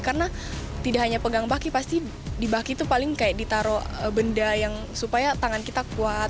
karena tidak hanya pegang baki pasti di baki itu paling kayak ditaruh benda yang supaya tangan kita kuat